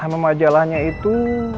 nama majalahnya itu